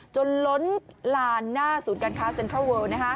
จนล้นลานหน้าสูตรการค้าเซ็นทรัลเวิลด์